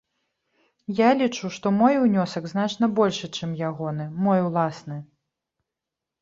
Я лічу, што мой унёсак значна большы, чым ягоны, мой уласны.